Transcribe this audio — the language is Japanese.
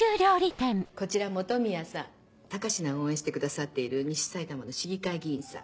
こちら本宮さん高階を応援してくださっている西さいたまの市議会議員さん。